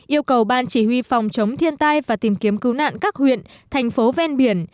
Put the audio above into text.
yêu cầu ban chỉ huy phòng chống thiên tai và tìm kiếm cứu nạn các huyện thành phố ven biển